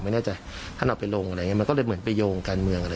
ไม่แน่ใจท่านเอาไปลงอะไรอย่างนี้มันก็เลยเหมือนไปโยงการเมืองอะไร